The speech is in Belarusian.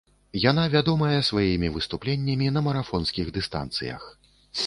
Яна вядомая сваімі выступленнямі на марафонскіх дыстанцыях.